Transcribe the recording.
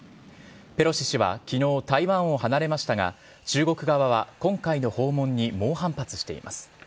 ペロシ氏は昨日台湾を離れましたが中国側は今回の訪問に猛反発しています。